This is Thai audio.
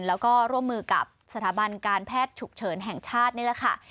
แล้วก็ร่วมมือกับสถาบันการแพทย์ฉุกเฉินแห่งชาตินี่แหละค่ะ